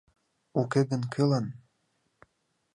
— Уке гын кӧлан.